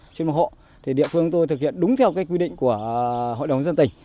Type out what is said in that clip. trên một hộ thì địa phương tôi thực hiện đúng theo quy định của hội đồng dân tỉnh